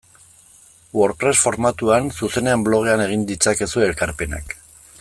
WordPress formatuan zuzenean blogean egin ditzakezue ekarpenak.